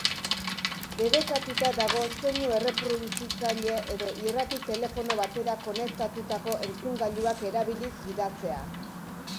Debekatuta dago soinu-erreproduzitzaile edo irrati-telefono batera konektatutako entzungailuak erabiliz gidatzea.